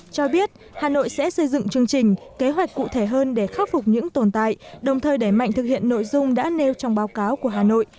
cho biết hà nội sẽ xây dựng chương trình kế hoạch cụ thể hơn để khắc phục những tồn tại đồng thời đẩy mạnh thực hiện nội dung đã nêu trong báo cáo của hà nội